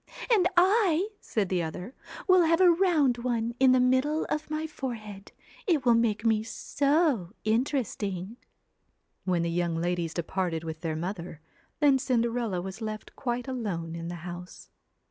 4 And I/ said the other, ' will have a round one in the middle of my forehead. It will make me so interesting.' When the young ladies departed with their mother, then Cinderella was left quite alone in the house.